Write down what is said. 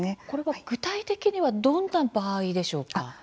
これは具体的にはどんな場合でしょうか？